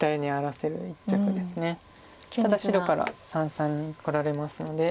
ただ白から三々にこられますので。